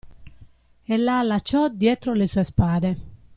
E la allacciò dietro le sue spade.